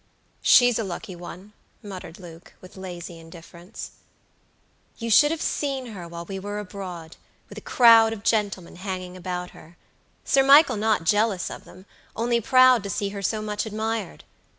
"She's a lucky one," muttered Luke, with lazy indifference. "You should have seen her while we were abroad, with a crowd of gentlemen hanging about her; Sir Michael not jealous of them, only proud to see her so much admired.